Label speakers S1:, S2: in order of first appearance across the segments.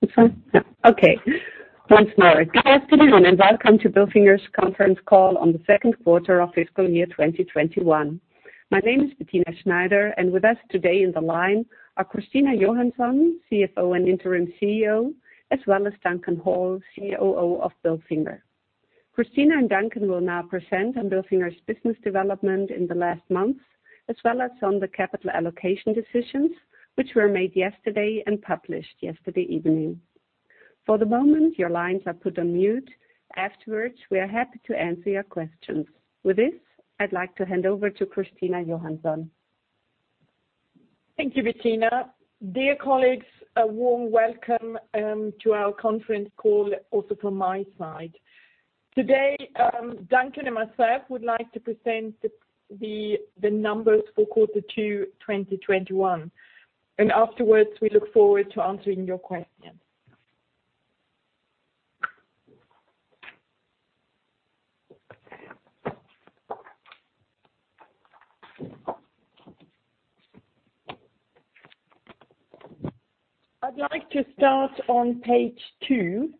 S1: This one? Yeah. Okay. Once more, good afternoon and welcome to Bilfinger's conference call on the second quarter of fiscal year 2021. My name is Bettina Schneider, and with us today on the line are Christina Johansson, CFO and Interim CEO, as well as Duncan Hall, COO of Bilfinger. Christina and Duncan will now present on Bilfinger's business development in the last months, as well as on the capital allocation decisions which were made yesterday and published yesterday evening. For the moment, your lines are put on mute. Afterwards, we are happy to answer your questions. With this, I'd like to hand over to Christina Johansson.
S2: Thank you Bettina. Dear colleagues, a warm welcome to our conference call also from my side. Today, Duncan and myself would like top present the numbers for quarter two 2021. Afterwards we look forward to answering your questions. I'd like to start on page 2,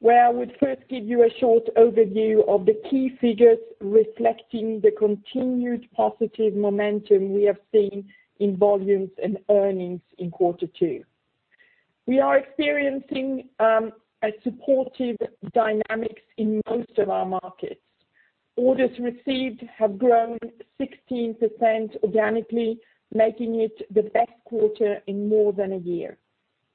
S2: where I would first give you a short overview of the key figures reflecting the continued positive momentum we have seen in volumes and earnings in quarter two. We are experiencing a supportive dynamics in most of our markets. Orders received have grown 16% organically, making it the best quarter in more than a year.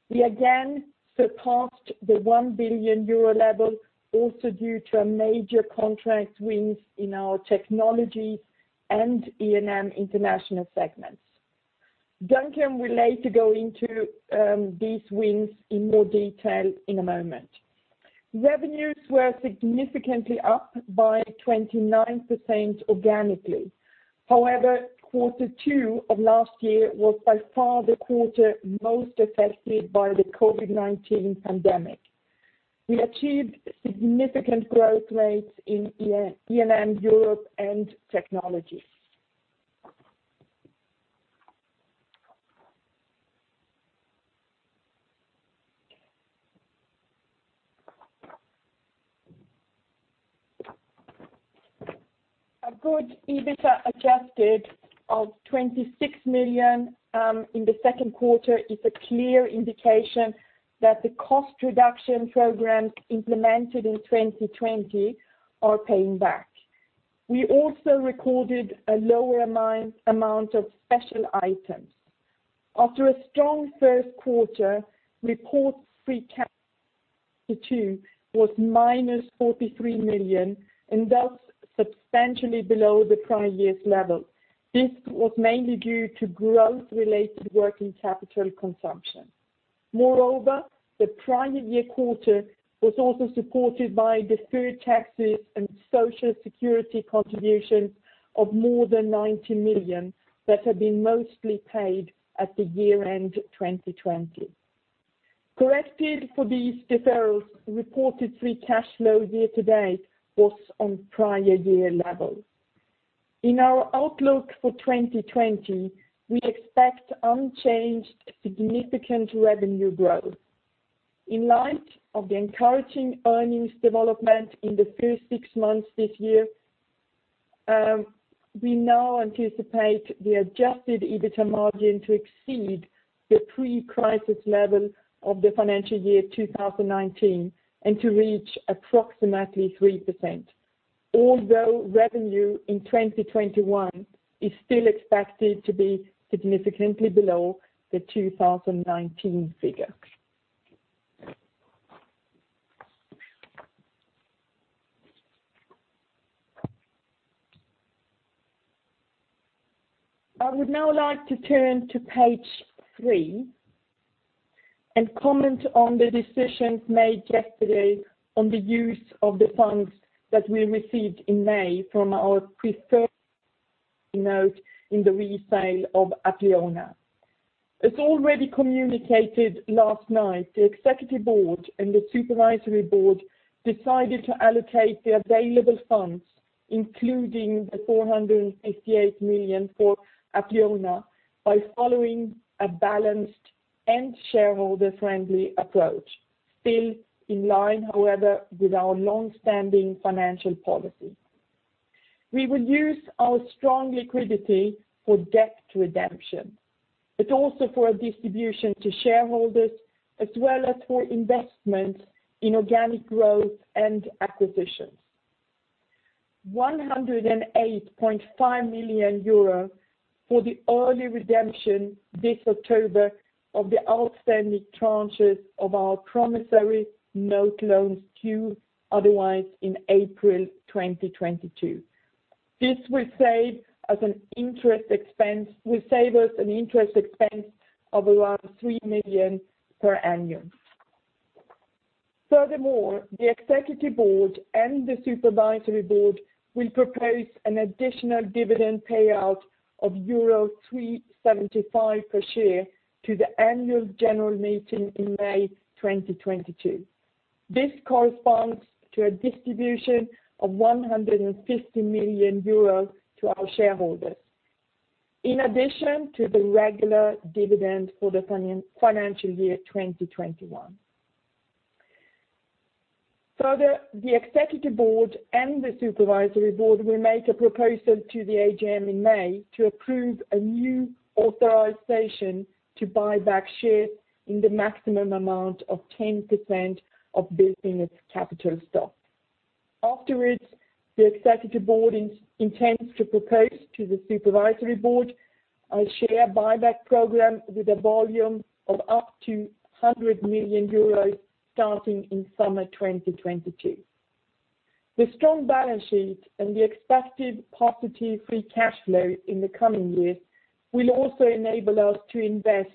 S2: We again surpassed the 1 billion euro level, also due to a major contract wins in our technology and E&M International segments. Duncan will later go into these wins in more detail in a moment. Revenues were significantly up by 29% organically. Quarter two of last year was by far the quarter most affected by the COVID-19 pandemic. We achieved significant growth rates in E&M Europe and technology. A good EBITDA adjusted of 26 million in the second quarter is a clear indication that the cost reduction programs implemented in 2020 are paying back. We also recorded a lower amount of special items. After a strong first quarter, reported free cash quarter two was minus 43 million, and thus substantially below the prior year's level. This was mainly due to growth-related working capital consumption. The prior year quarter was also supported by deferred taxes and social security contributions of more than 90 million that had been mostly paid at the year-end 2020. Corrected for these deferrals, reported free cash flow year to date was on prior year levels. In our outlook for 2020, we expect unchanged significant revenue growth. In light of the encouraging earnings development in the first six months this year, we now anticipate the adjusted EBITDA margin to exceed the pre-crisis level of the financial year 2019 and to reach approximately 3%, although revenue in 2021 is still expected to be significantly below the 2019 figure. I would now like to turn to page three and comment on the decisions made yesterday on the use of the funds that we received in May from our preferred note in the resale of Apleona. As already communicated last night, the executive board and the supervisory board decided to allocate the available funds, including the 488 million for Apleona, by following a balanced and shareholder-friendly approach, still in line, however, with our longstanding financial policy. We will use our strong liquidity for debt redemption, but also for a distribution to shareholders, as well as for investment in organic growth and acquisitions. 108.5 million euro for the early redemption this October of the outstanding tranches of our promissory note loans due otherwise in April 2022. This will save us an interest expense of around 3 million per annum. The executive board and the supervisory board will propose an additional dividend payout of euro 3.75 per share to the annual general meeting in May 2022. This corresponds to a distribution of 150 million euros to our shareholders. In addition to the regular dividend for the financial year 2021. The executive board and the supervisory board will make a proposal to the AGM in May to approve a new authorization to buy back shares in the maximum amount of 10% of Bilfinger's capital stock. The executive board intends to propose to the supervisory board a share buyback program with a volume of up to 100 million euros starting in summer 2022. The strong balance sheet and the expected positive free cash flow in the coming years, will also enable us to invest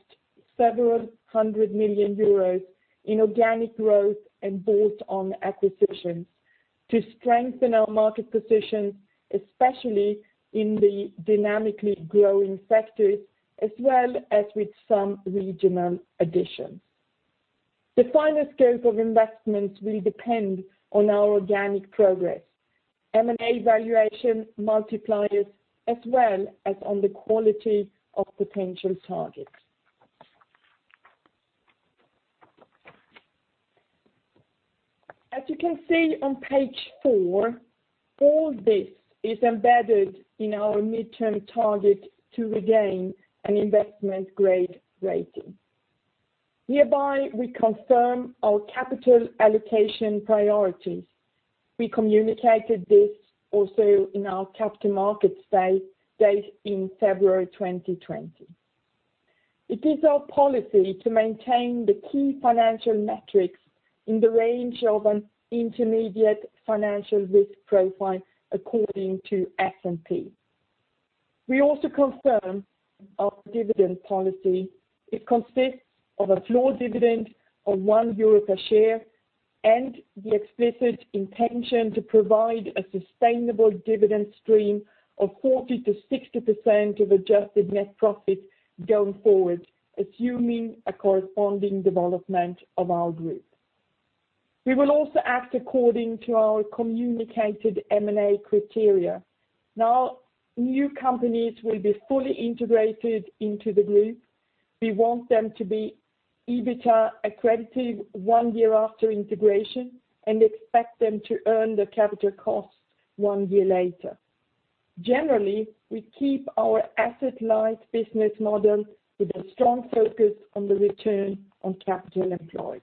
S2: several hundred million EUR in organic growth and bolt-on acquisitions to strengthen our market position, especially in the dynamically growing sectors, as well as with some regional additions. The final scope of investments will depend on our organic progress, M&A valuation multipliers, as well as on the quality of potential targets. As you can see on page four, all this is embedded in our midterm target to regain an investment-grade rating. We confirm our capital allocation priorities. We communicated this also in our Capital Markets Day in February 2020. It is our policy to maintain the key financial metrics in the range of an intermediate financial risk profile according to S&P. We also confirm our dividend policy. It consists of a floor dividend of 1 euro per share, and the explicit intention to provide a sustainable dividend stream of 40%-60% of adjusted net profit going forward, assuming a corresponding development of our group. We will also act according to our communicated M&A criteria. New companies will be fully integrated into the group. We want them to be EBITDA accretive one year after integration, and expect them to earn their capital costs one year later. Generally, we keep our asset-light business model with a strong focus on the return on capital employed.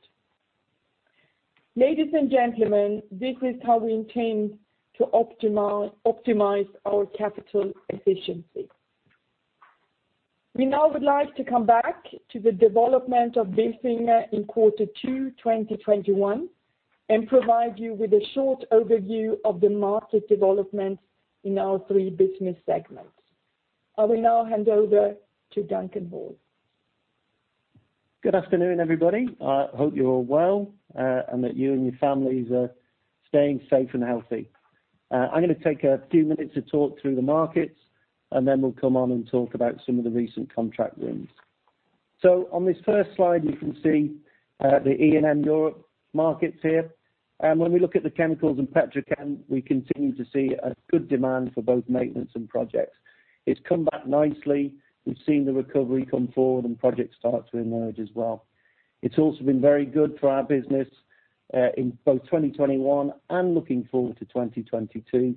S2: Ladies and gentlemen, this is how we intend to optimize our capital efficiency. We now would like to come back to the development of Bilfinger in Quarter Two 2021, and provide you with a short overview of the market development in our three business segments. I will now hand over to Duncan Hall.
S3: Good afternoon everybody. I hope you are all well, and that you and your families are staying safe and healthy. I am going to take a few minutes to talk through the markets, and then we will come on and talk about some of the recent contract wins. On this first slide, you can see the E&M Europe markets here. When we look at the chemicals and petrochem, we continue to see a good demand for both maintenance and projects. It has come back nicely. We have seen the recovery come forward and projects start to emerge as well. It has also been very good for our business, in both 2021 and looking forward to 2022, to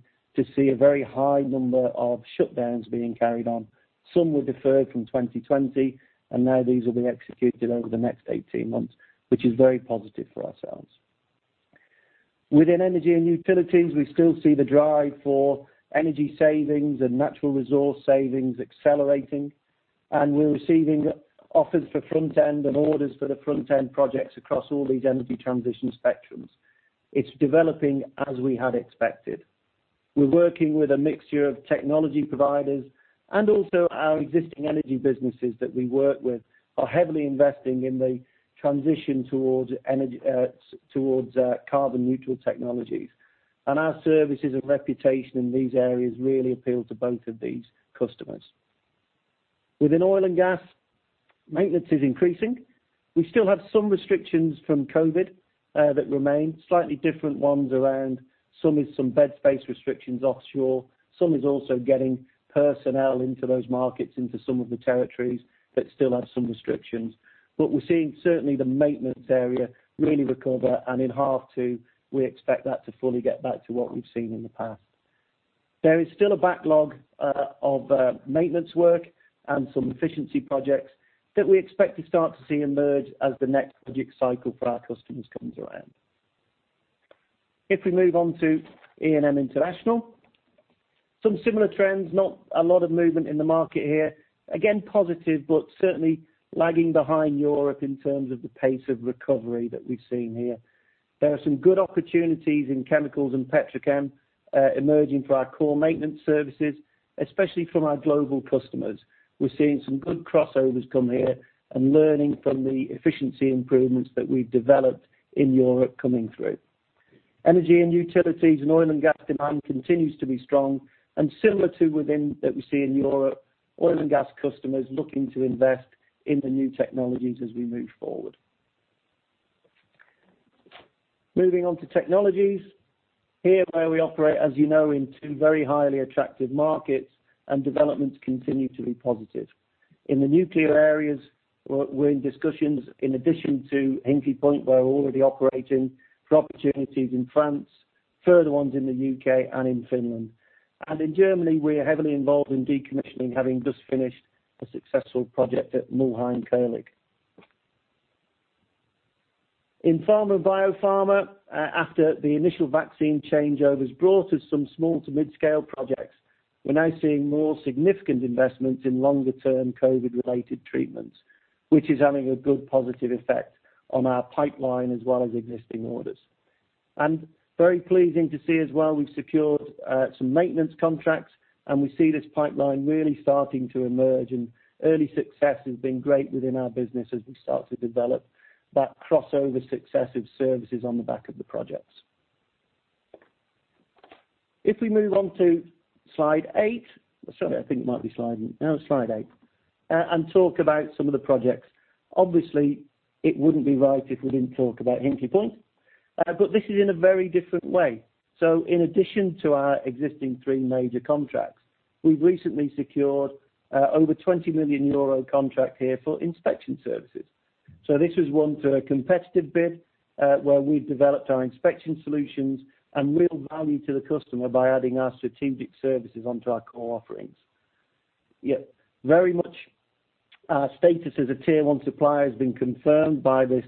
S3: see a very high number of shutdowns being carried on. Some were deferred from 2020, and now these will be executed over the next 18 months, which is very positive for ourselves. Within energy and utilities, we still see the drive for energy savings and natural resource savings accelerating, we are receiving offers for front end and orders for the front end projects across all these energy transition spectrums. It's developing as we had expected. We're working with a mixture of technology providers and also our existing energy businesses that we work with are heavily investing in the transition towards carbon neutral technologies. Our services and reputation in these areas really appeal to both of these customers. Within oil and gas, maintenance is increasing. We still have some restrictions from COVID-19 that remain, slightly different ones around. Some is bed space restrictions offshore. Some is also getting personnel into those markets, into some of the territories that still have some restrictions. We're seeing certainly the maintenance area really recover. In half two, we expect that to fully get back to what we've seen in the past. There is still a backlog of maintenance work and some efficiency projects that we expect to start to see emerge as the next project cycle for our customers comes around. If we move on to E&M International, some similar trends, not a lot of movement in the market here. Again, positive, but certainly lagging behind Europe in terms of the pace of recovery that we've seen here. There are some good opportunities in chemicals and petrochem emerging for our core maintenance services, especially from our global customers. We're seeing some good crossovers come here and learning from the efficiency improvements that we've developed in Europe coming through. Energy and utilities and oil and gas demand continues to be strong and similar to within that we see in Europe, oil and gas customers looking to invest in the new technologies as we move forward. Moving on to technologies. Here, where we operate, as you know, in two very highly attractive markets, developments continue to be positive. In the nuclear areas, we're in discussions in addition to Hinkley Point, where we're already operating, for opportunities in France, further ones in the U.K. and in Finland. In Germany, we are heavily involved in decommissioning having just finished a successful project at Mülheim-Kärlich. In pharma and biopharma, after the initial vaccine changeovers brought us some small to mid-scale projects, we're now seeing more significant investments in longer term COVID-19 related treatments, which is having a good positive effect on our pipeline as well as existing orders. Very pleasing to see as well, we've secured some maintenance contracts, and we see this pipeline really starting to emerge and early success has been great within our business as we start to develop that crossover success of services on the back of the projects. If we move on to slide eight. Sorry, I think it might be No, slide eight. Talk about some of the projects. Obviously, it wouldn't be right if we didn't talk about Hinkley Point, but this is in a very different way. In addition to our existing three major contracts, we've recently secured over 20 million euro contract here for inspection services. This was won to a competitive bid, where we developed our inspection solutions and real value to the customer by adding our strategic services onto our core offerings. Very much our status as a tier one supplier has been confirmed by this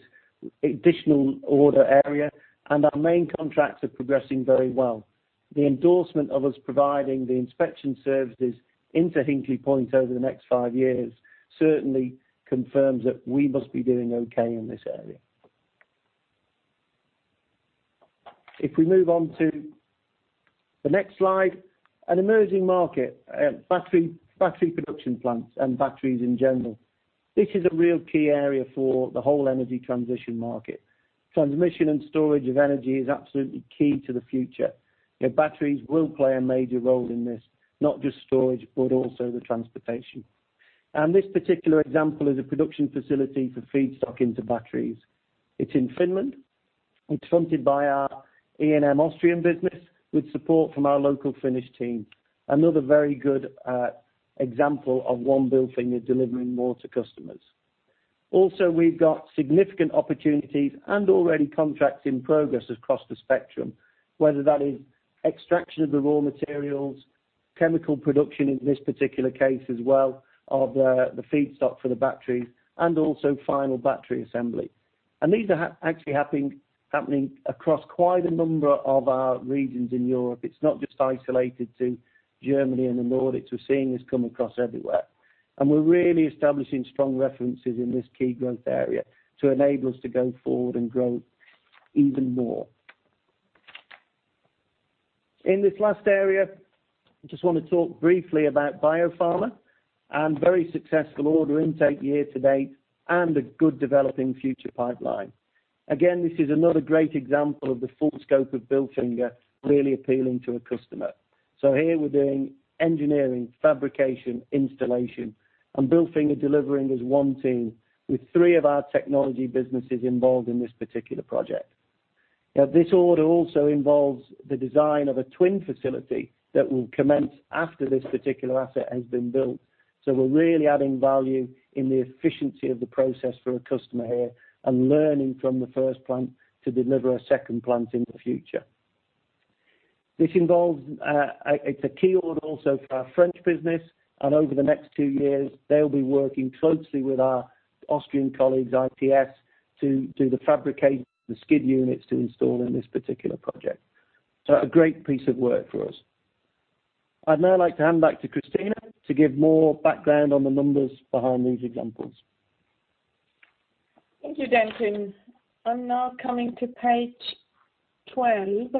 S3: additional order area, and our main contracts are progressing very well. The endorsement of us providing the inspection services into Hinkley Point over the next five years certainly confirms that we must be doing okay in this area. If we move on to the next slide. An emerging market, battery production plants and batteries in general. This is a real key area for the whole energy transition market. Transmission and storage of energy is absolutely key to the future. Batteries will play a major role in this, not just storage, but also the transportation. This particular example is a production facility for feedstock into batteries. It's in Finland. It's fronted by our E&M Austrian business with support from our local Finnish team. Another very good example of one Bilfinger delivering more to customers. Also, we've got significant opportunities and already contracts in progress across the spectrum, whether that is extraction of the raw materials, chemical production in this particular case as well of the feedstock for the batteries, and also final battery assembly. These are actually happening across quite a number of our regions in Europe. It's not just isolated to Germany and the Nordics. We're seeing this come across everywhere. We're really establishing strong references in this key growth area to enable us to go forward and grow even more. In this last area, I just want to talk briefly about biopharma and very successful order intake year to date and a good developing future pipeline. Again, this is another great example of the full scope of Bilfinger really appealing to a customer. Here we're doing engineering, fabrication, installation, and Bilfinger delivering as one team with three of our technology businesses involved in this particular project. This order also involves the design of a twin facility that will commence after this particular asset has been built. We're really adding value in the efficiency of the process for a customer here and learning from the first plant to deliver a second plant in the future. It's a key order also for our French business, and over the next two years, they'll be working closely with our Austrian colleagues, ITS, to do the fabrication of the skid units to install in this particular project. A great piece of work for us. I'd now like to hand back to Christina to give more background on the numbers behind these examples.
S2: Thank you Duncan. I'm now coming to page 12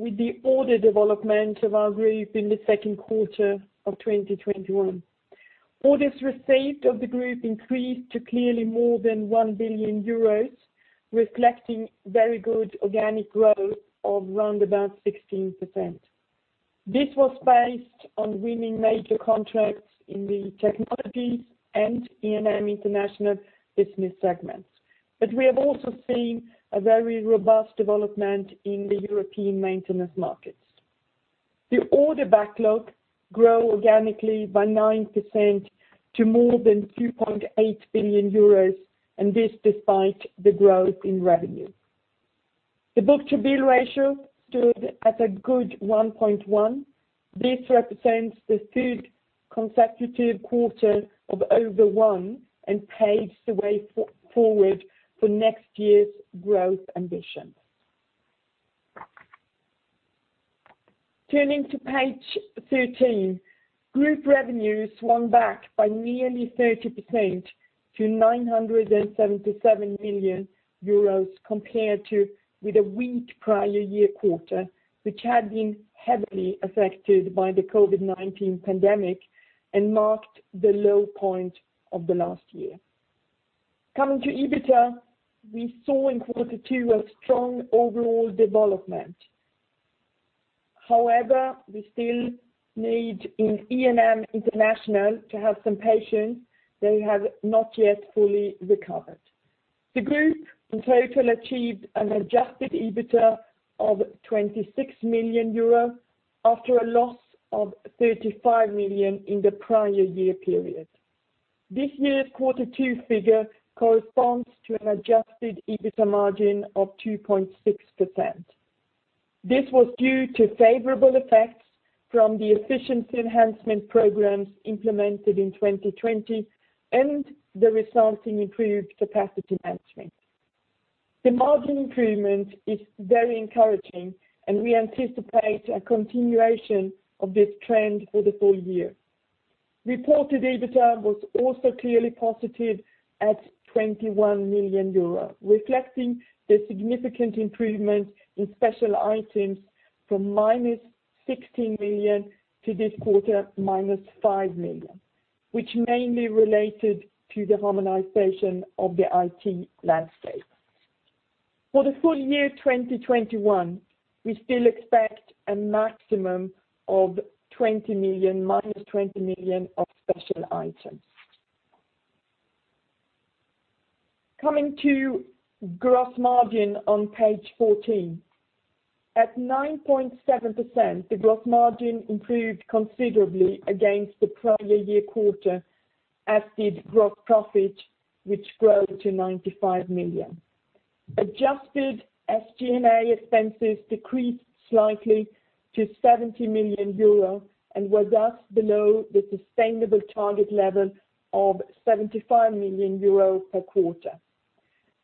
S2: with the order development of our group in the second quarter of 2021. Orders received of the group increased to clearly more than 1 billion euros, reflecting very good organic growth of round about 16%. This was based on winning major contracts in the technologies and E&M International business segments. We have also seen a very robust development in the European maintenance markets. The order backlog grow organically by 9% to more than 2.8 billion euros, and this despite the growth in revenue. The book-to-bill ratio stood at a good 1.1. This represents the third consecutive quarter of over one and paves the way forward for next year's growth ambitions. Turning to page 13, group revenues swung back by nearly 30% to 977 million euros compared with a weak prior year quarter, which had been heavily affected by the COVID-19 pandemic and marked the low point of the last year. Coming to EBITDA, we saw in quarter two a strong overall development. However, we still need in E&M International to have some patience. They have not yet fully recovered. The group in total achieved an adjusted EBITDA of 26 million euro after a loss of 35 million in the prior year period. This year's quarter two figure corresponds to an adjusted EBITDA margin of 2.6%. This was due to favorable effects from the efficiency enhancement programs implemented in 2020 and the resulting improved capacity management. The margin improvement is very encouraging. We anticipate a continuation of this trend for the full year. Reported EBITDA was also clearly positive at 21 million euros, reflecting the significant improvement in special items from minus 16 million to this quarter, minus 5 million, which mainly related to the harmonization of the IT landscape. For the full year 2021, we still expect a maximum of minus 20 million of special items. Coming to gross margin on page 14. At 9.7%, the gross margin improved considerably against the prior year quarter, as did gross profit, which grew to 95 million. Adjusted SG&A expenses decreased slightly to 70 million euro and were thus below the sustainable target level of 75 million euro per quarter.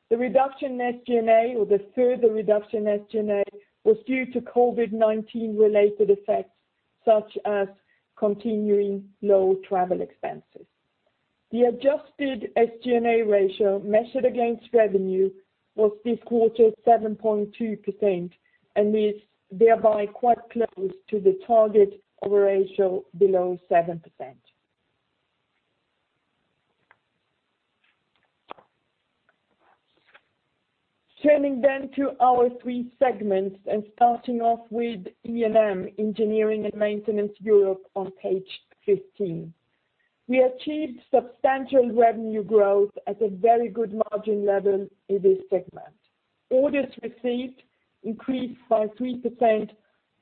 S2: The reduction in SG&A or the further reduction in SG&A, was due to COVID-19 related effects, such as continuing low travel expenses. The adjusted SG&A ratio measured against revenue was this quarter 7.2% and is thereby quite close to the target of a ratio below 7%. Turning to our three segments and starting off with E&M, Engineering and Maintenance Europe on page 15. We achieved substantial revenue growth at a very good margin level in this segment. Orders received increased by 3%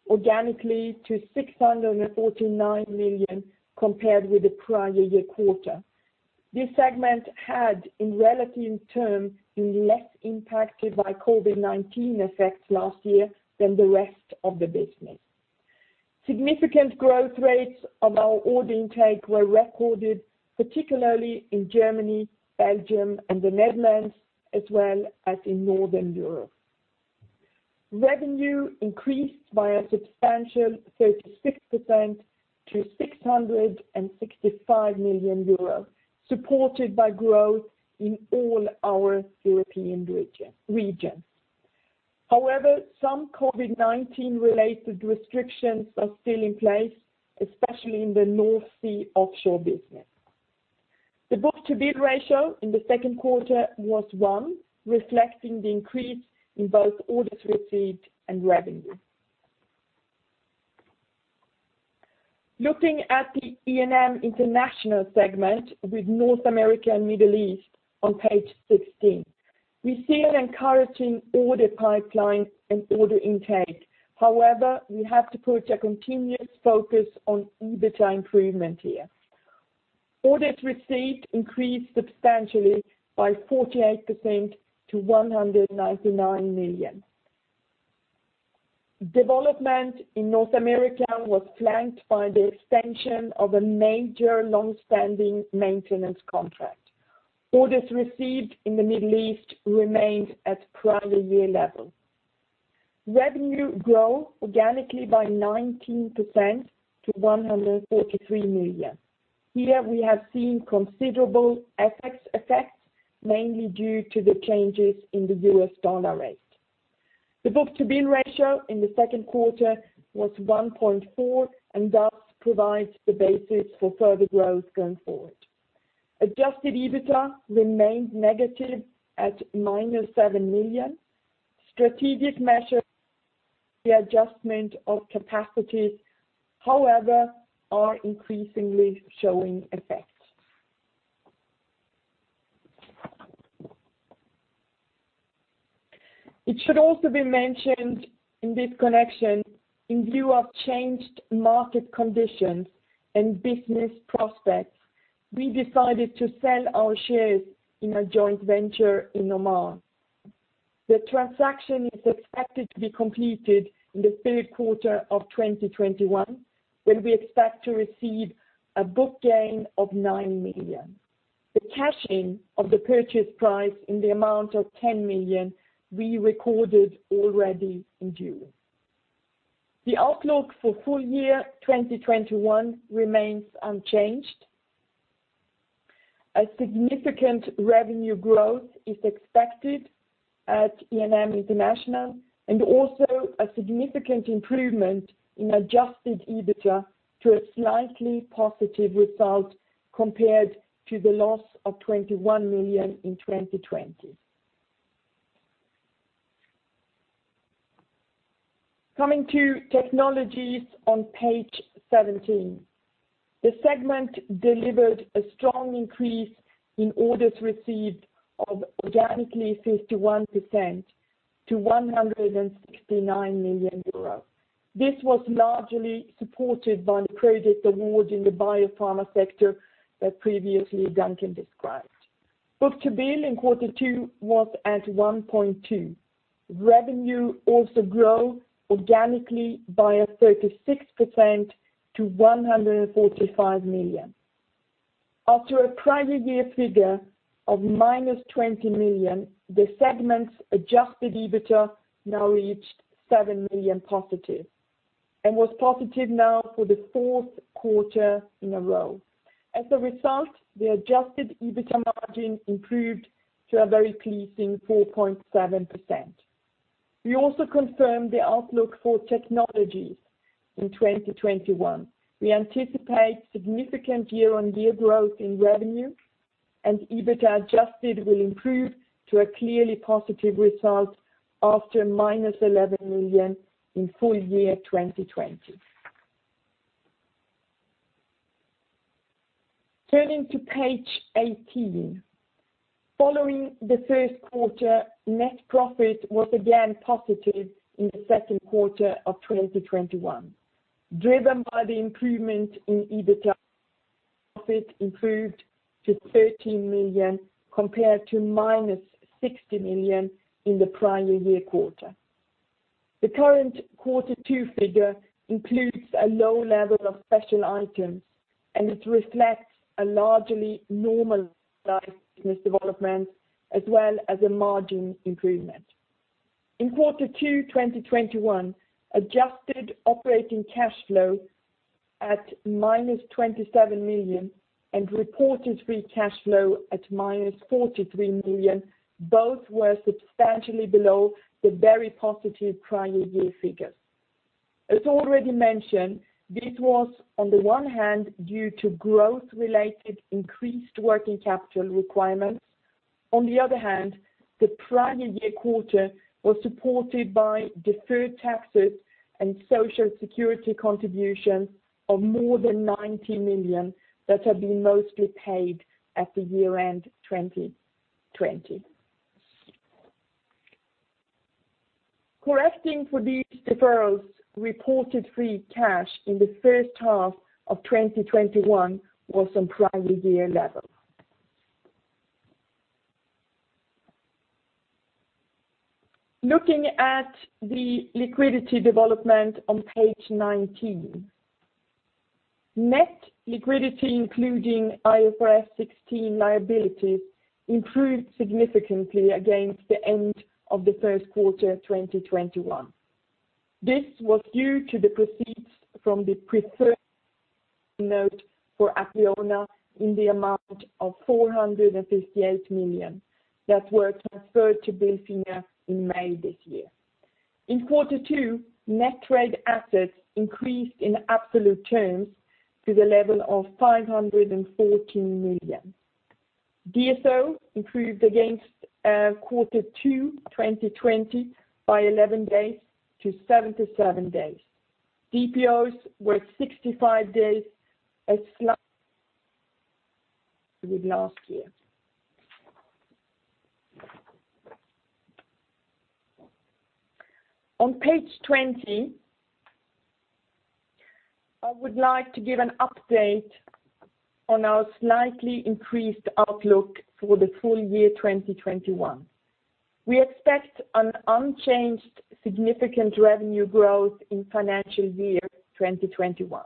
S2: organically to 649 million compared with the prior year quarter. This segment had, in relative terms, been less impacted by COVID-19 effects last year than the rest of the business. Significant growth rates of our order intake were recorded, particularly in Germany, Belgium, and the Netherlands, as well as in Northern Europe. Revenue increased by a substantial 36% to 665 million euros, supported by growth in all our European regions. However, some COVID-19 related restrictions are still in place, especially in the North Sea offshore business. The book-to-bill ratio in the second quarter was one, reflecting the increase in both orders received and revenue. Looking at the E&M International segment with North America and Middle East on page 16. We see an encouraging order pipeline and order intake. We have to put a continuous focus on EBITDA improvement here. Orders received increased substantially by 48% to 199 million. Development in North America was flanked by the extension of a major longstanding maintenance contract. Orders received in the Middle East remained at prior year level. Revenue grew organically by 19% to 143 million. Here, we have seen considerable FX effects, mainly due to the changes in the U.S. dollar rate. The book-to-bill ratio in the second quarter was 1.4 and thus provides the basis for further growth going forward. Adjusted EBITDA remained negative at minus 7 million. Strategic measures the adjustment of capacities, however, are increasingly showing effects. It should also be mentioned in this connection, in view of changed market conditions and business prospects, we decided to sell our shares in a joint venture in Oman. The transaction is expected to be completed in the third quarter of 2021, when we expect to receive a book gain of 9 million. The cashing of the purchase price in the amount of 10 million, we recorded already in June. The outlook for full year 2021 remains unchanged. A significant revenue growth is expected at E&M International and also a significant improvement in adjusted EBITDA to a slightly positive result compared to the loss of 21 million in 2020. Coming to technologies on page 17. The segment delivered a strong increase in orders received of organically 51% to 169 million euros. This was largely supported by the project awards in the biopharma sector that previously Duncan described. Book-to-bill in quarter two was at 1.2. Revenue also grew organically by 36% to 145 million. After a prior year figure of minus 20 million, the segment's adjusted EBITDA now reached 7 million positive and was positive now for the fourth quarter in a row. As a result, the adjusted EBITDA margin improved to a very pleasing 4.7%. We also confirmed the outlook for technologies in 2021. We anticipate significant year-on-year growth in revenue and EBITDA adjusted will improve to a clearly positive result after minus 11 million in full year 2020. Turning to page 18. Following the first quarter, net profit was again positive in the second quarter of 2021, driven by the improvement in EBITDA. Profit improved to 13 million compared to minus 60 million in the prior year quarter. The current quarter two figure includes a low level of special items, and it reflects a largely normalized business development as well as a margin improvement. In quarter two 2021, adjusted operating cash flow at minus 27 million and reported free cash flow at minus 43 million. Both were substantially below the very positive prior year figures. As already mentioned, this was on the one hand due to growth-related increased working capital requirements. The other hand, the prior year quarter was supported by deferred taxes and social security contributions of more than 90 million that had been mostly paid at the year-end 2020. Correcting for these deferrals, reported free cash in the first half of 2021 was on prior year level. Looking at the liquidity development on page 19. Net liquidity, including IFRS 16 liabilities, improved significantly against the end of the first quarter 2021. This was due to the proceeds from the preferred participation note for Apleona in the amount of 458 million that were transferred to Bilfinger in May this year. In quarter two, net trade assets increased in absolute terms to the level of 514 million. DSO improved against quarter two 2020 by 11 days-77 days. DPOs were 65 days, a slight with last year. On page 20, I would like to give an update on our slightly increased outlook for the full year 2021. We expect an unchanged significant revenue growth in financial year 2021.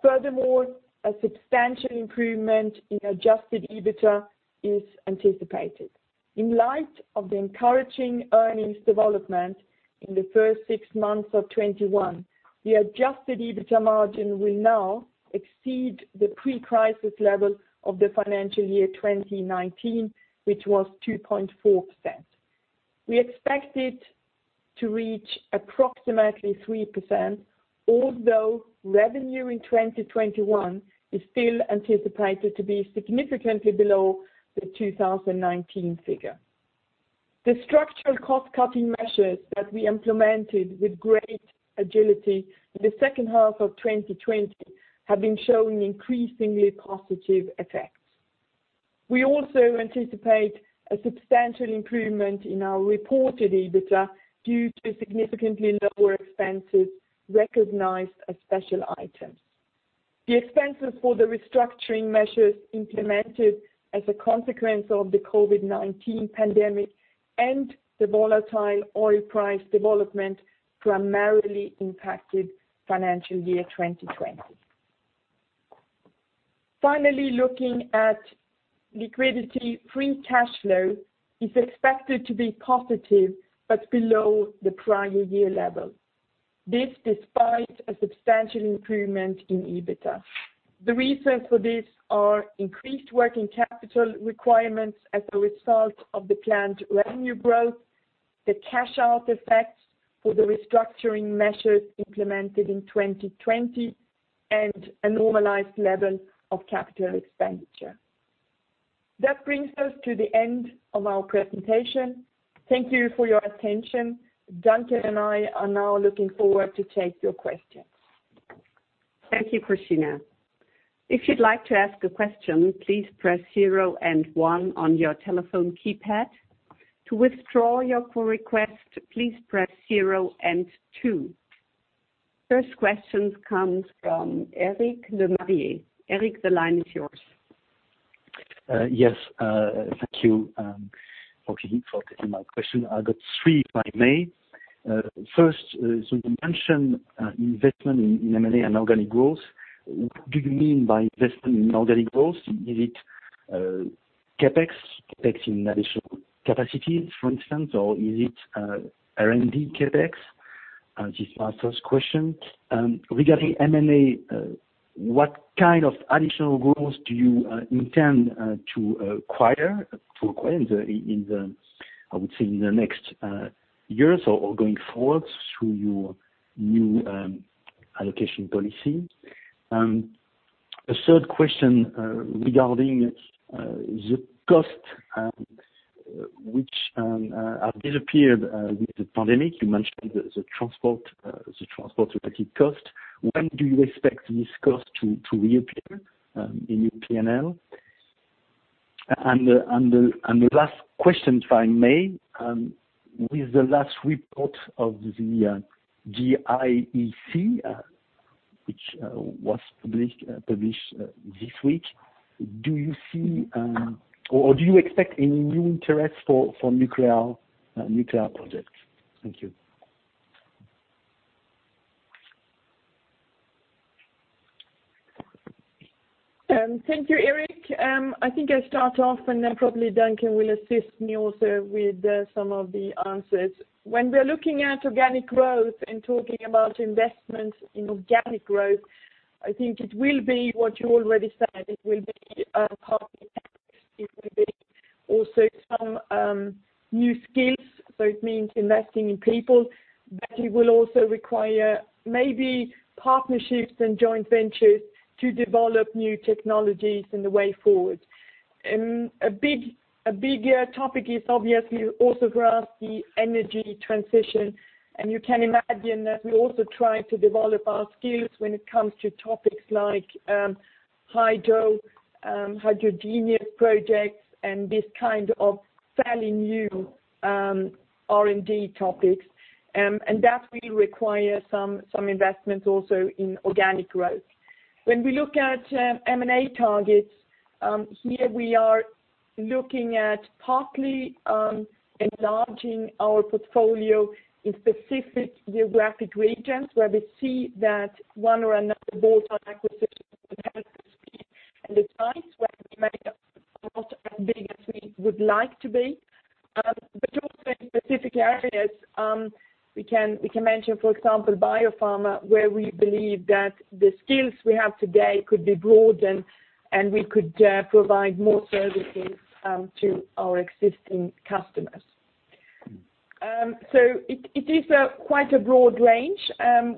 S2: Furthermore, a substantial improvement in adjusted EBITDA is anticipated. In light of the encouraging earnings development in the first six months of 2021, the adjusted EBITDA margin will now exceed the pre-crisis level of the financial year 2019, which was 2.4%. We expect it to reach approximately 3%, although revenue in 2021 is still anticipated to be significantly below the 2019 figure. The structural cost-cutting measures that we implemented with great agility in the second half of 2020 have been showing increasingly positive effects. We also anticipate a substantial improvement in our reported EBITDA due to significantly lower expenses recognized as special items. The expenses for the restructuring measures implemented as a consequence of the COVID-19 pandemic and the volatile oil price development primarily impacted financial year 2020. Looking at liquidity, free cash flow is expected to be positive but below the prior year level. This despite a substantial improvement in EBITDA. The reasons for this are increased working capital requirements as a result of the planned revenue growth, the cash-out effects for the restructuring measures implemented in 2020 and a normalized level of capital expenditure. That brings us to the end of our presentation. Thank you for your attention. Duncan and I are now looking forward to take your questions.
S4: Thank you Christina. If you'd like to ask a question, please press zero and one on your telephone keypad. To withdraw your request, please press zero and two. First question comes from Eric Lemarié. Eric, the line is yours.
S5: Thank you for taking my question. I got three, if I may. First, you mentioned investment in M&A and organic growth. What do you mean by investment in organic growth? Is it CapEx in additional capacity, for instance, or is it R&D CapEx? This is my first question. Regarding M&A, what kind of additional goals do you intend to acquire in the, I would say, in the next years or going forward through your new allocation policy? A third question regarding the cost, which have disappeared with the pandemic. You mentioned the transport-related cost. When do you expect this cost to reappear in your P&L? The last question, if I may. With the last report of the IPCC which was published this week, do you expect any new interest for nuclear projects? Thank you.
S2: Thank you Eric. I think I'll start off, and then probably Duncan will assist me also with some of the answers. When we are looking at organic growth and talking about investments in organic growth, I think it will be what you already said. It will be partly CapEx. It will be also some new skills. It means investing in people, but it will also require maybe partnerships and joint ventures to develop new technologies in the way forward. A bigger topic is obviously also grasp the energy transition. You can imagine that we also try to develop our skills when it comes to topics like Hydrogenious projects and this kind of fairly new R&D topics. That will require some investments also in organic growth. When we look at M&A targets, here we are looking at partly enlarging our portfolio in specific geographic regions where we see that one or another bolt-on acquisition would help us be in the sites where we may not be as big as we would like to be. Also in specific areas, we can mention, for example, biopharma, where we believe that the skills we have today could be broadened, and we could provide more services to our existing customers. It is quite a broad range.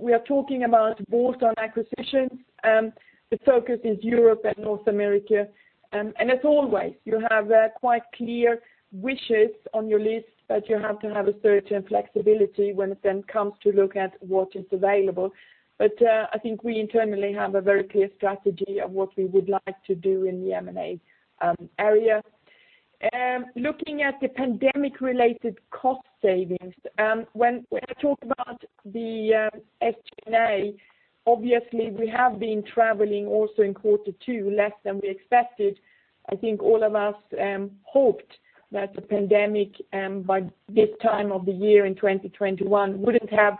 S2: We are talking about bolt-on acquisitions. The focus is Europe and North America. As always, you have quite clear wishes on your list, but you have to have a certain flexibility when it then comes to look at what is available. I think I internally have a very clear strategy of what we would like to do in the M&A area. Looking at the pandemic-related cost savings. When I talk about the SG&A, obviously, we have been traveling also in quarter two less than we expected. I think all of us hoped that the pandemic, by this time of the year in 2021, wouldn't have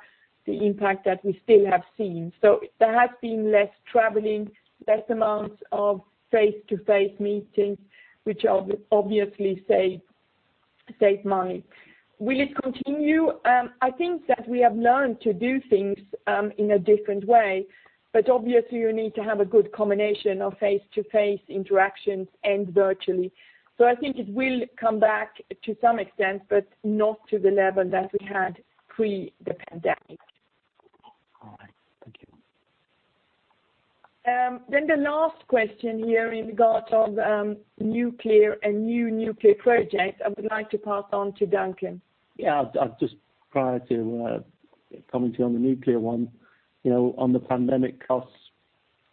S2: the impact that we still have seen. There has been less traveling, less amounts of face-to-face meetings, which obviously save money. Will it continue? I think that we have learned to do things in a different way, but obviously, you need to have a good combination of face-to-face interactions and virtually. I think it will come back to some extent, but not to the level that we had pre the pandemic.
S5: All right. Thank you.
S2: The last question here in regard of nuclear and new nuclear projects, I would like to pass on to Duncan.
S3: Yeah. Just prior to commenting on the nuclear one. On the pandemic costs,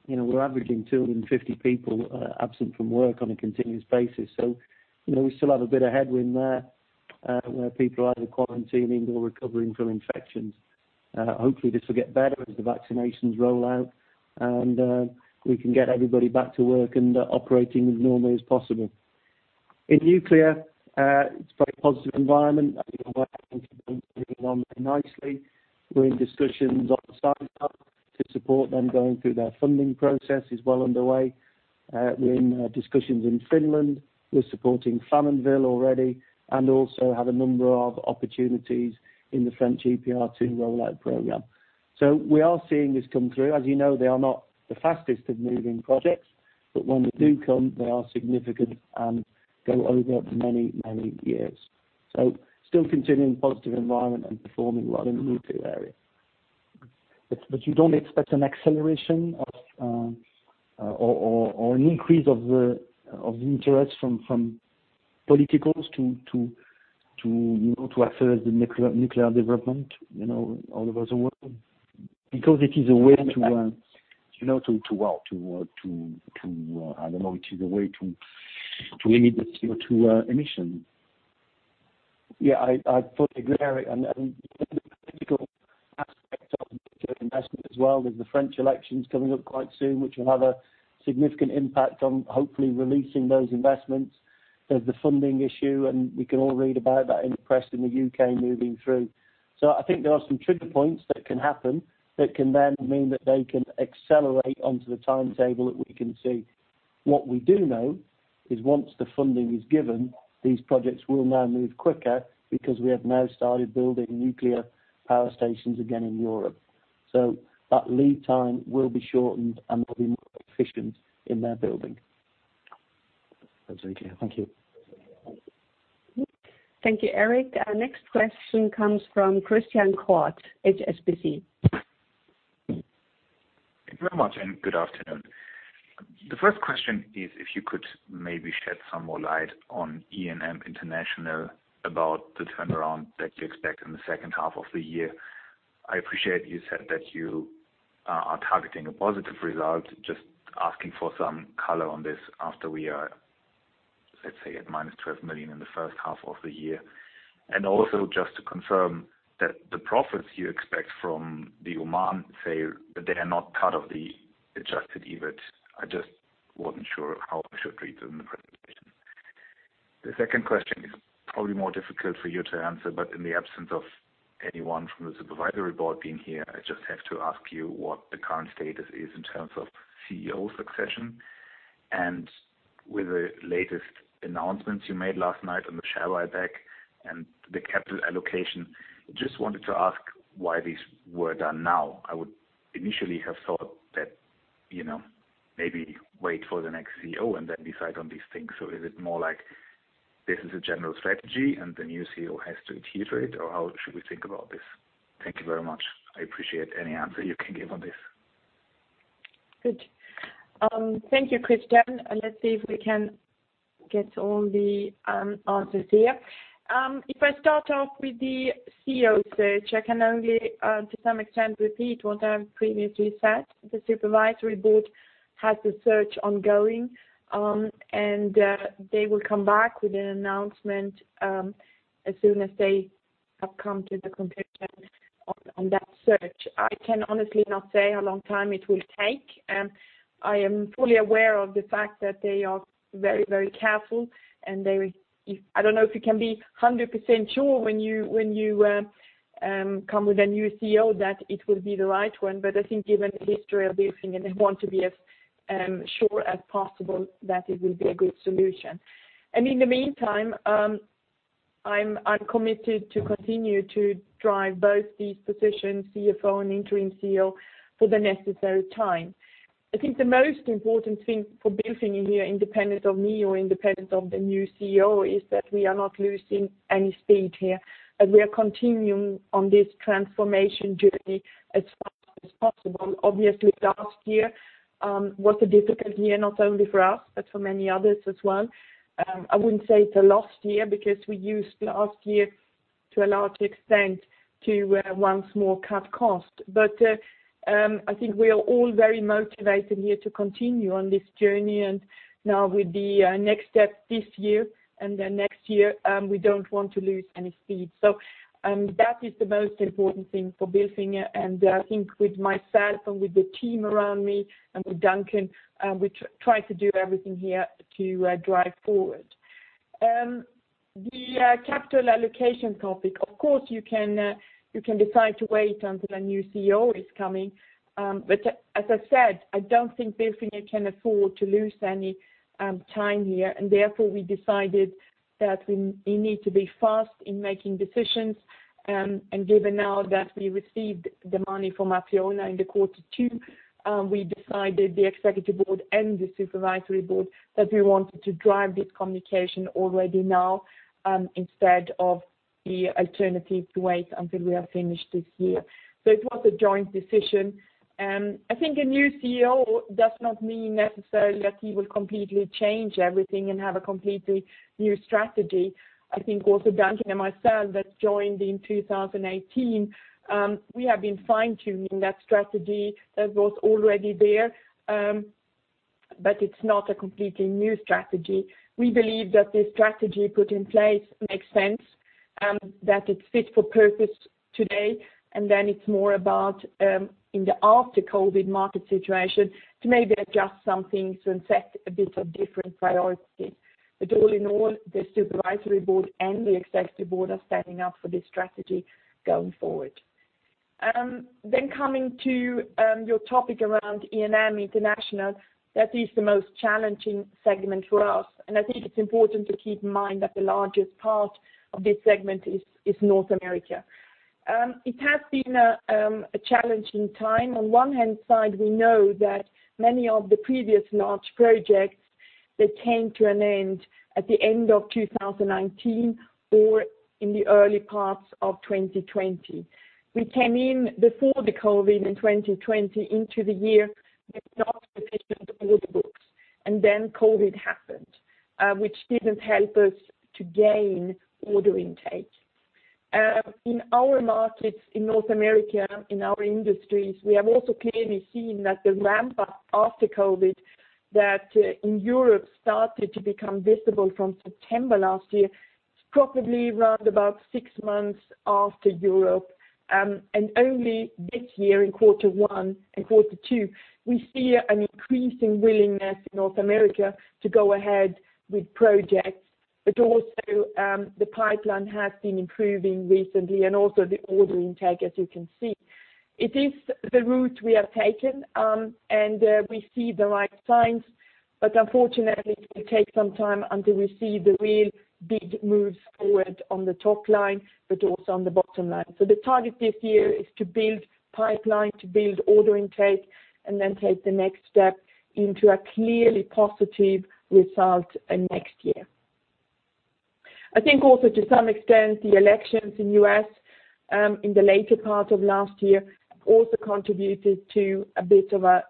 S3: we're averaging 250 people absent from work on a continuous basis. We still have a bit of headwind there, where people are either quarantining or recovering from infections. Hopefully this will get better as the vaccinations roll out and we can get everybody back to work and operating as normally as possible. In nuclear, it's a very positive environment.
S2: Yeah.
S3: Moving along nicely. We're in discussions on to support them going through their funding process is well underway. We're in discussions in Finland. We're supporting Flamanville already and also have a number of opportunities in the French EPR2 rollout program. We are seeing this come through. As you know, they are not the fastest of moving projects. When they do come, they are significant and go over many years. Still continuing positive environment and performing well in the nuclear area.
S5: You don't expect an acceleration of or an increase of the interest from politicals to access the nuclear development all over the world? Because it is a way to limit the CO2 emission.
S3: I fully agree, Eric, and the political aspect of nuclear investment as well, with the French elections coming up quite soon, which will have a significant impact on hopefully releasing those investments. There's the funding issue, and we can all read about that in the press in the U.K. moving through. I think there are some trigger points that can happen that can then mean that they can accelerate onto the timetable that we can see. What we do know is once the funding is given, these projects will now move quicker because we have now started building nuclear power stations again in Europe. That lead time will be shortened and they'll be more efficient in their building.
S5: Absolutely. Thank you.
S4: Thank you Eric. Next question comes from Christian Korth, HSBC.
S6: Thank you very much, and good afternoon. The first question is if you could maybe shed some more light on E&M International about the turnaround that you expect in the second half of the year. I appreciate you said that you are targeting a positive result, just asking for some color on this after we are, let's say, at minus 12 million in the first half of the year. Also just to confirm that the profits you expect from the Oman sale, that they are not part of the adjusted EBIT. I just wasn't sure how I should read them in the presentation. The second question is probably more difficult for you to answer, but in the absence of anyone from the supervisory board being here, I just have to ask you what the current status is in terms of CEO succession. With the latest announcements you made last night on the share buyback and the capital allocation, just wanted to ask why these were done now? I would initially have thought that maybe wait for the next CEO and then decide on these things. Is it more like this is a general strategy and the new CEO has to adhere to it, or how should we think about this? Thank you very much. I appreciate any answer you can give on this.
S2: Good. Thank you Christian. Let's see if we can get all the answers here. If I start off with the CEO search, I can only, to some extent, repeat what I have previously said. The supervisory board has the search ongoing, and they will come back with an announcement as soon as they have come to the conclusion on that search. I can honestly not say how long time it will take. I am fully aware of the fact that they are very careful, and I don't know if you can be 100% sure when you come with a new CEO that it will be the right one. I think given the history of Bilfinger, they want to be as sure as possible that it will be a good solution. In the meantime, I'm committed to continue to drive both these positions, CFO and interim CEO, for the necessary time. I think the most important thing for Bilfinger here, independent of me or independent of the new CEO, is that we are not losing any speed here, and we are continuing on this transformation journey as fast as possible. Obviously, last year was a difficult year, not only for us, but for many others as well. I wouldn't say it's a lost year because we used last year to a large extent to once more cut cost. I think we are all very motivated here to continue on this journey, and now with the next step this year and then next year, we don't want to lose any speed. That is the most important thing for Bilfinger, and I think with myself and with the team around me and with Duncan, we try to do everything here to drive forward. The capital allocation topic, of course, you can decide to wait until a new CEO is coming. As I said, I don't think Bilfinger can afford to lose any time here, and therefore, we decided that we need to be fast in making decisions. Given now that we received the money from Apleona in the quarter two, we decided, the executive board and the supervisory board, that we wanted to drive this communication already now instead of the alternative to wait until we are finished this year. It was a joint decision. I think a new CEO does not mean necessarily that he will completely change everything and have a completely new strategy. I think also Duncan and myself that joined in 2018, we have been fine-tuning that strategy that was already there, but it's not a completely new strategy. We believe that the strategy put in place makes sense, that it's fit for purpose today, and it's more about, in the after-COVID market situation, to maybe adjust some things and set a bit of different priorities. All in all, the supervisory board and the executive board are standing up for this strategy going forward. Coming to your topic around E&M International, that is the most challenging segment for us. I think it's important to keep in mind that the largest part of this segment is North America. It has been a challenging time. On one hand side, we know that many of the previous large projects that came to an end at the end of 2019 or in the early parts of 2020. We came in before the COVID in 2020 into the year with not sufficient order books, and then COVID happened, which didn't help us to gain order intake. In our markets in North America, in our industries, we have also clearly seen that the ramp up after COVID, that in Europe started to become visible from September last year, probably around about six months after Europe. Only this year in quarter one and quarter two, we see an increasing willingness in North America to go ahead with projects, but also, the pipeline has been improving recently, and also the order intake, as you can see. It is the route we have taken. We see the right signs, unfortunately, it will take some time until we see the real big moves forward on the top line, also on the bottom line. The target this year is to build pipeline, to build order intake, take the next step into a clearly positive result in next year. I think also to some extent, the elections in the U.S., in the later part of last year, also contributed to a bit of a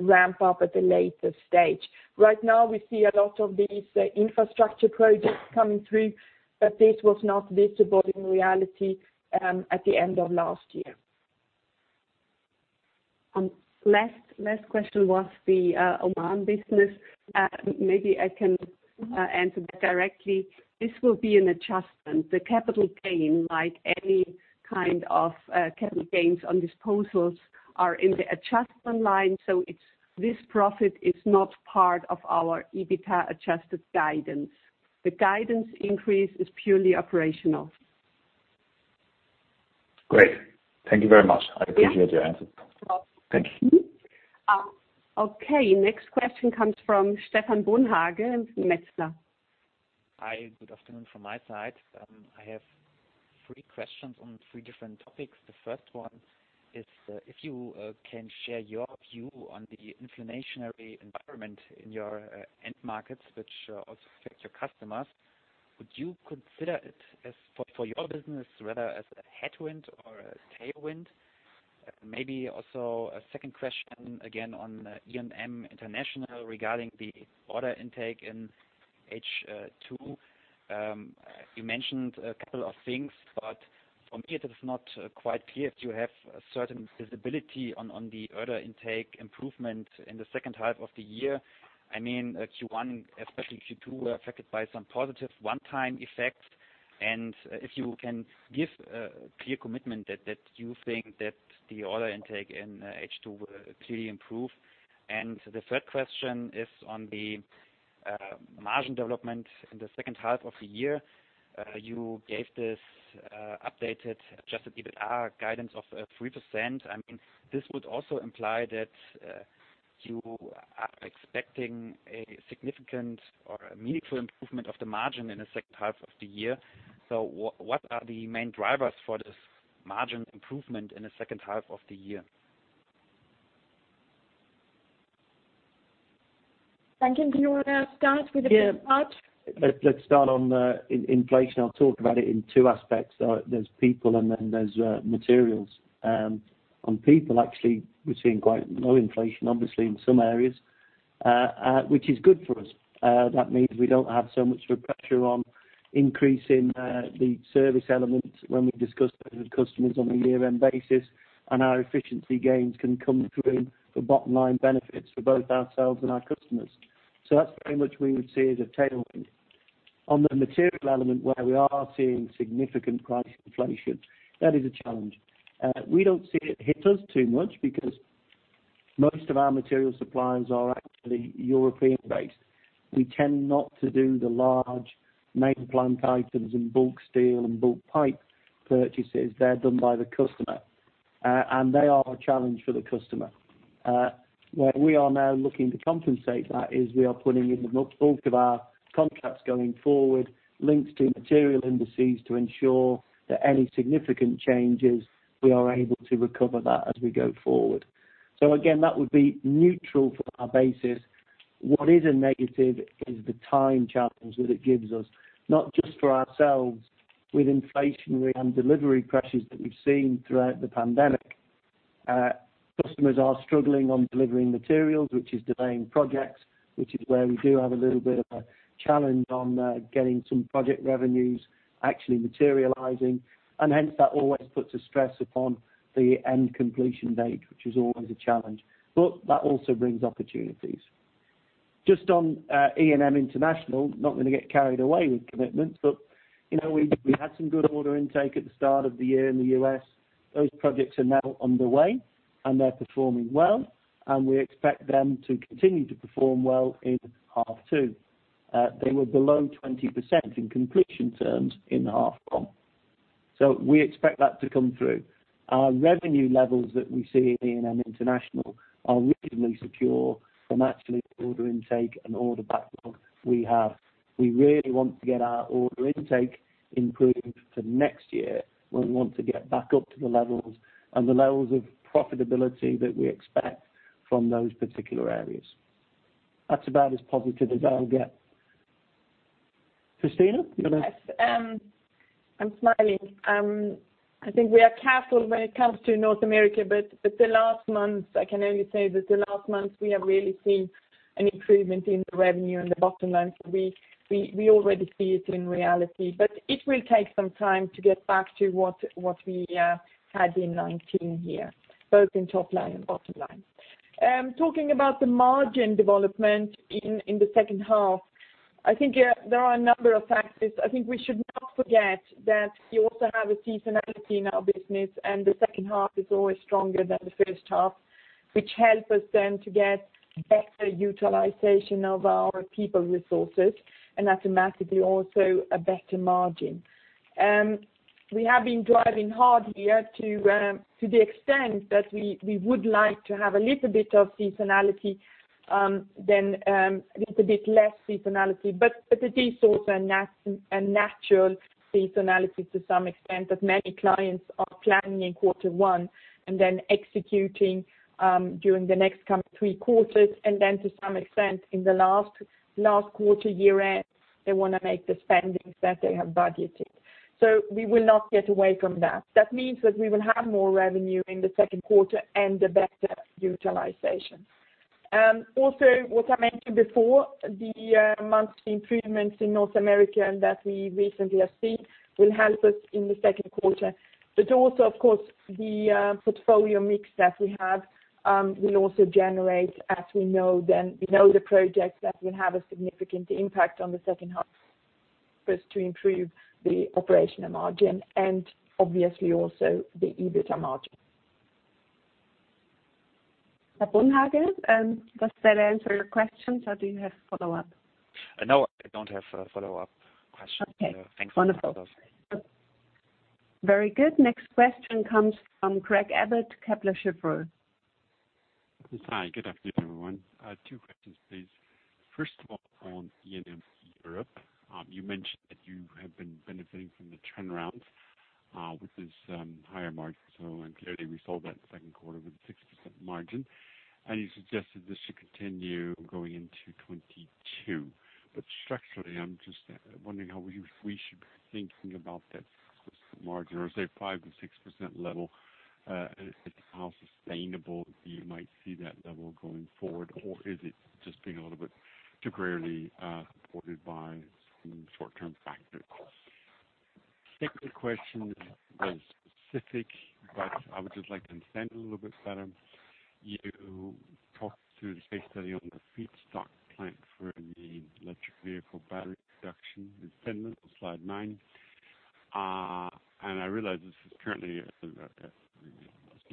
S2: ramp up at a later stage. Right now, we see a lot of these infrastructure projects coming through, this was not visible in reality, at the end of last year.
S1: Last question was the Oman business. Maybe I can answer that directly. This will be an adjustment. The capital gain, like any kind of capital gains on disposals, are in the adjustment line. This profit is not part of our EBITA adjusted guidance. The guidance increase is purely operational.
S6: Great. Thank you very much.
S1: Yeah.
S6: I appreciate your answers. Thank you.
S4: Okay, next question comes from Stephan Bonhage, Metzler.
S7: Hi, good afternoon from my side. I have 3 questions on 3 different topics. The first one is, if you can share your view on the inflationary environment in your end markets, which also affect your customers. Would you consider it, for your business, rather as a headwind or a tailwind? Maybe also a second question again on E&M International regarding the order intake in H2. You mentioned a couple of things, for me it is not quite clear if you have a certain visibility on the order intake improvement in the second half of the year. I mean, Q1, especially Q2, were affected by some positive one-time effects, if you can give a clear commitment that you think that the order intake in H2 will clearly improve. The third question is on the margin development in the second half of the year. You gave this updated adjusted EBITDA guidance of 3%. This would also imply that you are expecting a significant or a meaningful improvement of the margin in the second half of the year. What are the main drivers for this margin improvement in the second half of the year?
S2: Duncan, do you want to start with the first part?
S3: Let's start on inflation. I'll talk about it in two aspects. There's people and then there's materials. On people actually, we're seeing quite low inflation, obviously in some areas, which is good for us. That means we don't have so much pressure on increasing the service elements when we discuss with customers on a year-end basis, and our efficiency gains can come through for bottom line benefits for both ourselves and our customers. That's very much we would see as a tailwind. On the material element, where we are seeing significant price inflation, that is a challenge. We don't see it hit us too much because most of our material suppliers are actually European based. We tend not to do the large main plant items in bulk steel and bulk pipe purchases. They're done by the customer, and they are a challenge for the customer. Where we are now looking to compensate that is we are putting in the bulk of our contracts going forward, linked to material indices to ensure that any significant changes, we are able to recover that as we go forward. Again, that would be neutral for our basis. What is a negative is the time challenge that it gives us, not just for ourselves with inflationary and delivery pressures that we've seen throughout the pandemic. Customers are struggling on delivering materials, which is delaying projects, which is where we do have a little bit of a challenge on getting some project revenues actually materializing. Hence that always puts a stress upon the end completion date, which is always a challenge. That also brings opportunities. On E&M International, not going to get carried away with commitments, we had some good order intake at the start of the year in the U.S. Those projects are now underway, they're performing well. We expect them to continue to perform well in half two. They were below 20% in completion terms in half one. We expect that to come through. Our revenue levels that we see in E&M International are reasonably secure from actually order intake and order backlog we have. We really want to get our order intake improving for next year, where we want to get back up to the levels, and the levels of profitability that we expect from those particular areas. That's about as positive as I'll get. Christina, you want to.
S2: Yes. I'm smiling. I think we are careful when it comes to North America. The last month, I can only say that the last month, we have really seen an improvement in the revenue and the bottom line. We already see it in reality. It will take some time to get back to what we had in 2019 here, both in top line and bottom line. Talking about the margin development in the second half, I think there are a number of factors. I think we should not forget that you also have a seasonality in our business. The second half is always stronger than the first half, which help us then to get better utilization of our people resources, and automatically also a better margin. We have been driving hard here to the extent that we would like to have a little bit of seasonality, then a little bit less seasonality. It is also a natural seasonality to some extent, that many clients are planning in quarter one and then executing during the next coming three quarters. Then to some extent in the last quarter, year end, they want to make the spendings that they have budgeted. We will not get away from that. That means that we will have more revenue in the second quarter and a better utilization. Also, what I mentioned before, the monthly improvements in North America that we recently have seen will help us in the second quarter. Also, of course, the portfolio mix that we have will also generate, as we know the projects that will have a significant impact on the second half for us to improve the operational margin and obviously also the EBITA margin.
S4: Stephan Bonhage, does that answer your questions or do you have follow-up?
S7: No, I don't have a follow-up question.
S4: Okay.
S7: Thanks a lot, though.
S4: Wonderful. Very good. Next question comes from Craig Abbott, Kepler Cheuvreux.
S8: Hi, good afternoon everyone. Two questions, please. First of all, on E&M Europe. You mentioned that you have been benefiting from the turnarounds, which is higher margin. I'm glad we saw that second quarter with a 6% margin. You suggested this should continue going into 2022. Structurally, I'm just wondering how we should be thinking about that 6% margin, or say 5%-6% level. How sustainable you might see that level going forward, or is it just being a little bit too greatly supported by some short-term factors? Second question is very specific, but I would just like to understand a little bit better. You talked to the case study on the feedstock plant for the electric vehicle battery production in Finland on slide nine. I realize this is currently a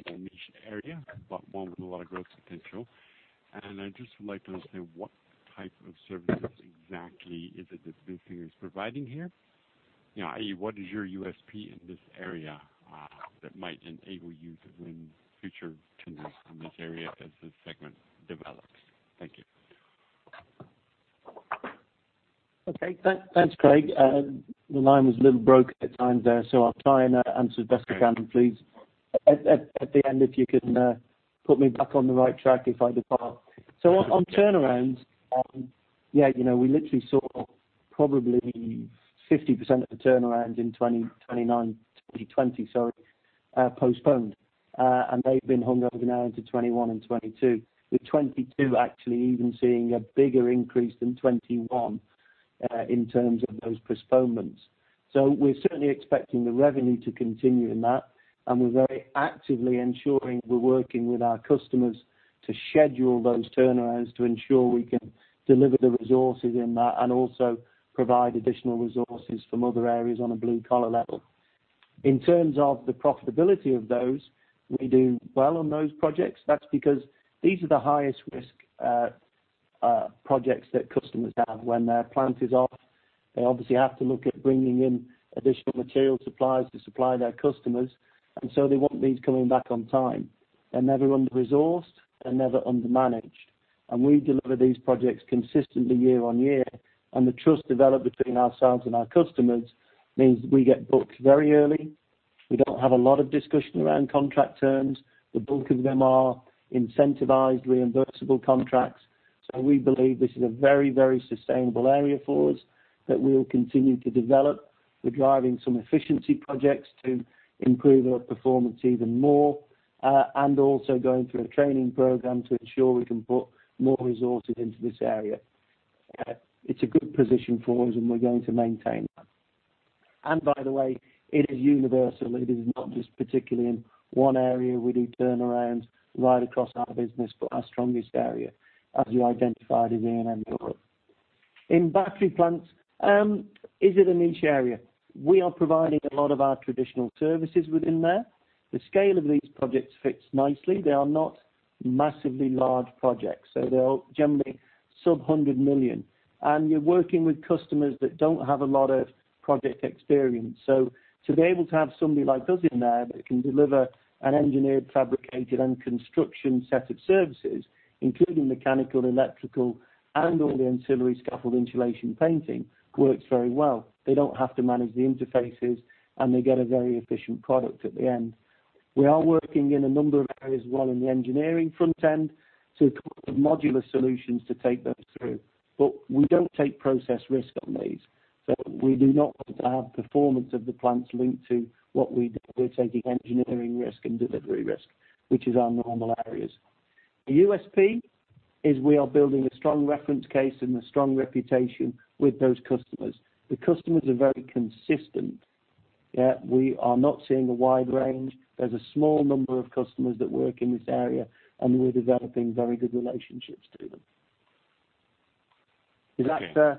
S8: small niche area, but one with a lot of growth potential. I just would like to understand what type of services exactly is it that Bilfinger is providing here? What is your USP in this area that might enable you to win future tenders in this area as this segment develops? Thank you.
S3: Okay. Thanks Craig. The line was a little broken at times there. I'll try and answer as best I can, please. At the end, if you can put me back on the right track if I depart. On turnarounds, we literally saw probably 50% of the turnarounds in 2029, 2020, sorry, postponed. They've been hung over now into 2021 and 2022, with 2022 actually even seeing a bigger increase than 2021 in terms of those postponements. We're certainly expecting the revenue to continue in that. We're very actively ensuring we're working with our customers to schedule those turnarounds to ensure we can deliver the resources in that, also provide additional resources from other areas on a blue-collar level. In terms of the profitability of those, we do well on those projects. That's because these are the highest risk projects that customers have. When their plant is off, they obviously have to look at bringing in additional material suppliers to supply their customers, and so they want these coming back on time. They're never under-resourced, they're never under-managed. We deliver these projects consistently year on year, and the trust developed between ourselves and our customers means we get booked very early. We don't have a lot of discussion around contract terms. The bulk of them are incentivized, reimbursable contracts. We believe this is a very sustainable area for us that we will continue to develop. We're driving some efficiency projects to improve our performance even more, and also going through a training program to ensure we can put more resources into this area. It's a good position for us and we're going to maintain that. By the way, it is universal. It is not just particularly in one area. We do turnarounds right across our business. Our strongest area, as you identified, is E&M Europe. In battery plants, is it a niche area? We are providing a lot of our traditional services within there. The scale of these projects fits nicely. They are not massively large projects. They are generally sub-EUR 100 million. You're working with customers that don't have a lot of project experience. To be able to have somebody like us in there that can deliver an engineered, fabricated, and construction set of services, including mechanical, electrical, and all the ancillary scaffold insulation painting, works very well. They don't have to manage the interfaces. They get a very efficient product at the end. We are working in a number of areas, one in the engineering front end, to modular solutions to take those through. We don't take process risk on these. We do not have performance of the plants linked to what we do. We're taking engineering risk and delivery risk, which is our normal areas. The USP is we are building a strong reference case and a strong reputation with those customers. The customers are very consistent. We are not seeing a wide range. There is a small number of customers that work in this area, and we're developing very good relationships to them.
S8: Okay.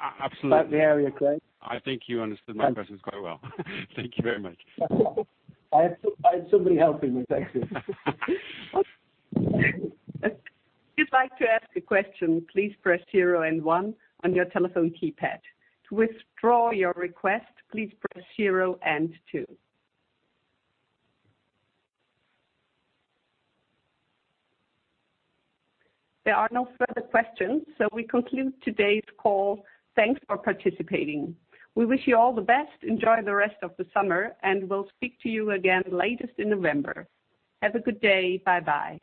S8: Absolutely.
S3: About the area, Craig?
S8: I think you understood my questions quite well. Thank you very much.
S3: I had somebody helping me. Thank you.
S4: If you'd like to ask a question, please press zero and one on your telephone keypad. To withdraw your request, please press zero and two.
S1: There are no further questions, so we conclude today's call. Thanks for participating. We wish you all the best. Enjoy the rest of the summer, and we'll speak to you again latest in November. Have a good day. Bye-bye.